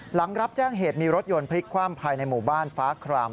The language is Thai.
หลังรับแจ้งเหตุมีรถยนต์พลิกคว่ำภายในหมู่บ้านฟ้าคราม